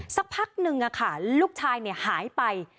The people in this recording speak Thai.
สักพักหนึ่งลูกชายหายไป